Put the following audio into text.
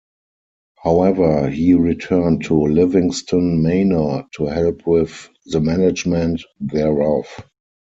However, he returned to Livingston Manor to help with the management thereof.